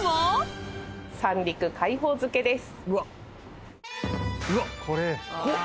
三陸海宝漬です。